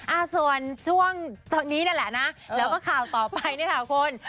อ่าส่วนช่วงนี้นั่นแหละนะแล้วก็ข่าวต่อไปเนี่ยค่ะคุณ